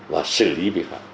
và xử lý bị phạm